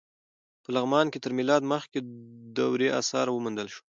په لغمان کې تر میلاد مخکې دورې اثار وموندل شول.